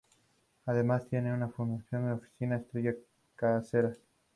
Además, tiene una funcionaria en oficina, Estrella Cáceres.